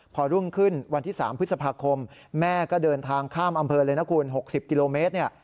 พอรุ่งขึ้นวันที่๓พฤษภาคมแม่ก็เดินทางข้ามอำเภอเลยนะคุณ๖๐กิโลเมตร